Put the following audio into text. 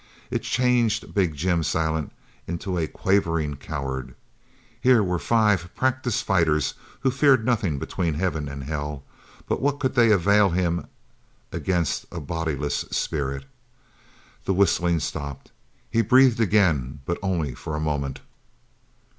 It changed big Jim Silent into a quavering coward. Here were five practised fighters who feared nothing between heaven and hell, but what could they avail him against a bodiless spirit? The whistling stopped. He breathed again, but only for a moment.